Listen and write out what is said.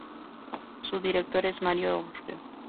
Su director es Mario Orfeo.